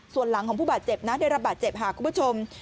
ส่วนหลังของผู้บาดเจ็บนะได้รับบาดเจ็บค่ะคุณผู้ชม